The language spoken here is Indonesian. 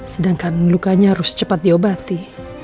sedangkan lukanya harus cepat diobati